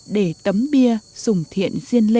để tấm bia sùng thiện